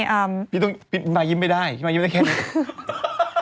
ชิคกี้พายยิ้มไม่ได้ชิคกี้พายยิ้มได้แค่นี้